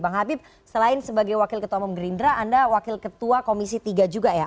bang habib selain sebagai wakil ketua umum gerindra anda wakil ketua komisi tiga juga ya